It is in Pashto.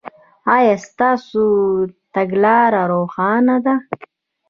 ایا ستاسو تګلاره روښانه ده؟